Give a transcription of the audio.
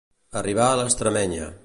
Arribar a l'estamenya.